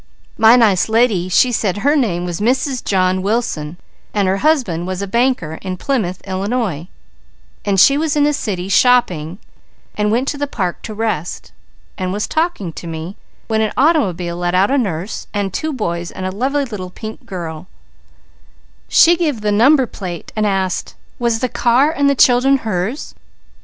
My nice lady she said her name was Mrs. John Wilson and her husband was a banker in Plymouth, Illinois, and she was in the city shopping and went to the park to rest and was talking to me, when an automobile let out a nurse, and two boys and a lovely little pink girl, and she give the number and asked, 'was the car and the children hers?'